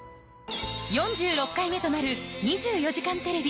４６回目となる『２４時間テレビ』